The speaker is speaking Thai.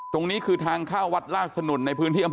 ตรงนี้คือทางเข้าวัดราชสนุนในพื้นที่อำเภอ